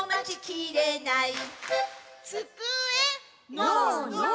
ノーノー。